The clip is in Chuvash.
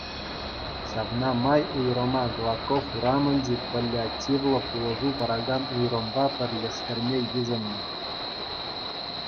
Ҫавна май уйрӑма Гладков урамӗнчи паллиативлӑ пулӑшу паракан уйрӑмпа пӗрлештерме йышӑннӑ.